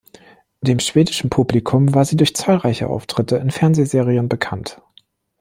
Dem schwedischen Publikum war sie durch zahlreiche Auftritte in Fernsehserien bekannt.